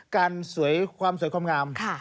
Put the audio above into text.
สวยความสวยความงาม